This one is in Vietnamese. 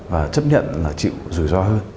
và chấp nhận là chịu rủi ro hơn